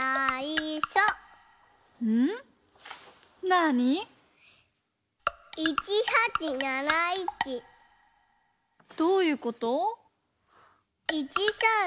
なに？どういうこと？